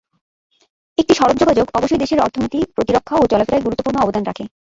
একটি সড়ক যোগাযোগ অবশ্যই দেশের অর্থনীতি, প্রতিরক্ষা ও চলাফেরায় গুরুত্বপূর্ণ অবদান রাখে।